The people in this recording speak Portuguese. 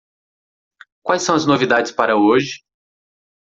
Quais são as novidades para hoje?